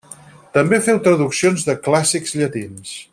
També féu traduccions de clàssics llatins.